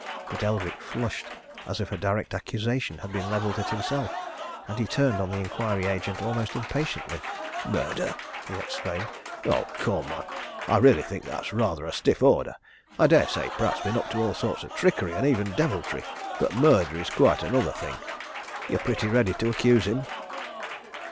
But Eldrick flushed as if a direct accusation had been levelled at himself, and he turned on the inquiry agent almost impatiently. "Murder!" he exclaimed. "Oh, come! I really, that's rather a stiff order! I dare say Pratt's been up to all sorts of trickery, and even deviltry but murder is quite another thing. You're pretty ready to accuse him!"